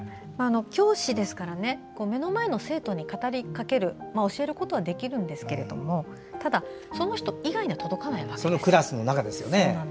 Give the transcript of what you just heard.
教師ですから目の前の生徒に語りかける、教えることはできるんですけどもただ、その人以外には届かないわけですよね。